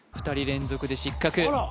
２人連続で失格